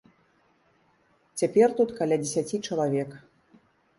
Цяпер тут каля дзесяці чалавек.